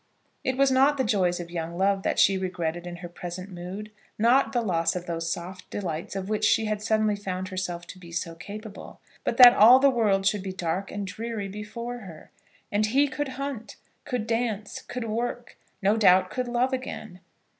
It was not the joys of young love that she regretted in her present mood, not the loss of those soft delights of which she had suddenly found herself to be so capable; but that all the world should be dark and dreary before her! And he could hunt, could dance, could work, no doubt could love again!